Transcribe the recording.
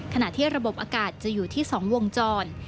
ขณะที่ระบบอากาศจะอยู่ที่๒วงจร